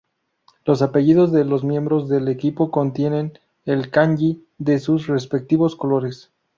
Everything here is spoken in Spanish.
Los apellidos de los miembros del equipo contienen el kanji de sus respectivos colores.